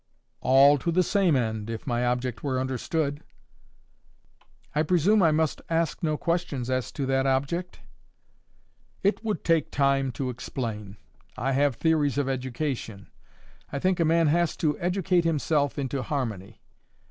"All to the same end, if my object were understood." "I presume I must ask no questions as to that object?" "It would take time to explain. I have theories of education. I think a man has to educate himself into harmony.